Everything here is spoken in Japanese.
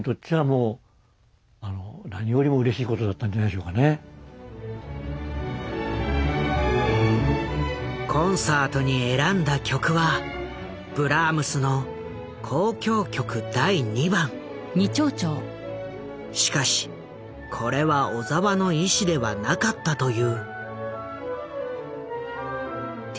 それをコンサートに選んだ曲はしかしこれは小澤の意思ではなかったという。